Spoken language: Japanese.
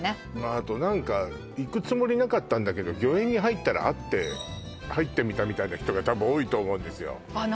あと何か行くつもりなかったんだけど御苑に入ったらあって入ってみたみたいな人がたぶん多いと思うんですよああ